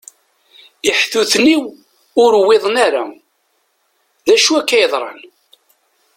Iḥtuten-iw, ur uwiḍen ara. D acu akka i yeḍṛan?